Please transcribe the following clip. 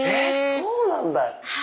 そうなんだ！